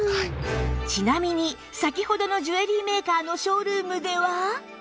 ちなみに先ほどのジュエリーメーカーのショールームでは